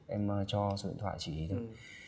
em cho số điện thoại chị ấy thôi